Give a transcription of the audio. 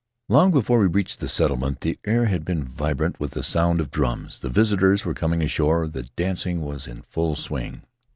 Long before we reached the settlement the air had been vibrant with the sound of drums, the visitors were coming ashore, the dancing was in full swing.